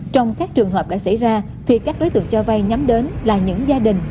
trong các trường hợp đã xảy ra thì các đối tượng cho vay nhắm đến là những gia đình